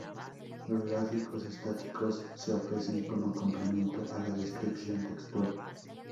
Los gráficos estáticos se ofrecen como complemento a la descripción textual.